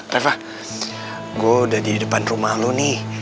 rev ah gua udah di depan rumah lu nih